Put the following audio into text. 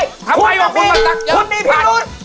ทำไมว่าคุณมาตรักเยอะไม่มีเรื่องของผมคุณมีสิทธิ์ไง